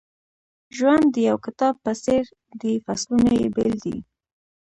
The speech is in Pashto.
ژوند د یو کتاب په څېر دی فصلونه یې بېل دي.